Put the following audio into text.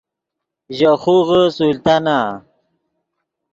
ژے خوغے سلطانہ